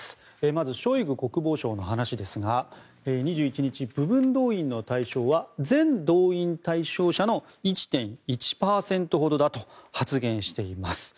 まず、ショイグ国防相の話ですが２１日、部分動員の対象は全動員対象者の１．１％ほどだと発言しています。